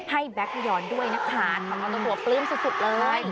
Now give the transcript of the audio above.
ให้แบกพยอนด้วยนะครับคำนวนตัวปลื้มสุดเลย